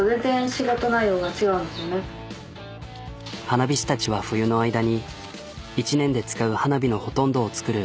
花火師たちは冬の間に１年で使う花火のほとんどを作る。